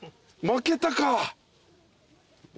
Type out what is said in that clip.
負けたか。